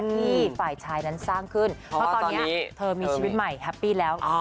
ที่ฝ่ายชายนั้นสร้างขึ้นเพราะตอนนี้เธอมีชีวิตใหม่แฮปปี้แล้ว